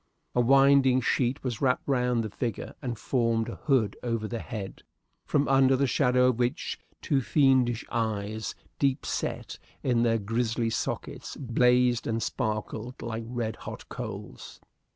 A winding sheet was wrapped round the figure, and formed a hood over the head, from under the shadow of which two fiendish eyes, deepset in their grisly sockets, blazed and sparkled like red hot coals.